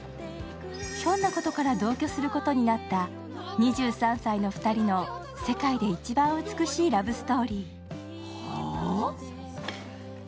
ひょんなことから同居することになった２３歳の２人の世界で一番美しいラブストーリー。